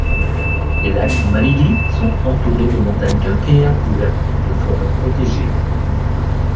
Les lacs Malili sont entourés de montagnes calcaires couvertes de forêts protégées.